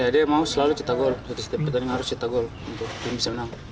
dia mau selalu cita gol harus cita gol untuk bisa menang